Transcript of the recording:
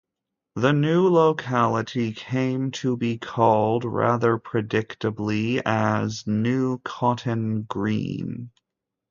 The new locality came to be called rather predictably as 'New Cotton Green'.